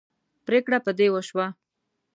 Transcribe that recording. پرېکړه په دې وشوه.